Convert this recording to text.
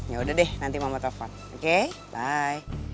yaudah deh nanti mama telfon oke bye